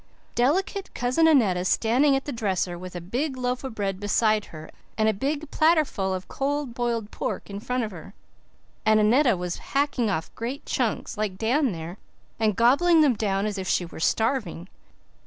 Delicate Cousin Annetta standing at the dresser, with a big loaf of bread beside her and a big platterful of cold, boiled pork in front of her; and Annetta was hacking off great chunks, like Dan there, and gobbling them down as if she was starving.